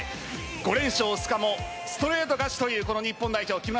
５連勝ストレート勝ちという日本代表。